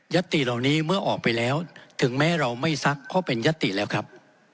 ติเหล่านี้เมื่อออกไปแล้วถึงแม้เราไม่ซักก็เป็นยัตติแล้วครับ